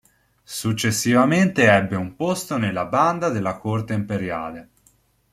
Successivamente ebbe un posto nella banda della Corte imperiale.